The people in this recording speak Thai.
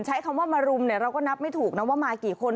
ใช้คำว่ามารุมเนี่ยเราก็นับไม่ถูกนะว่ามากี่คน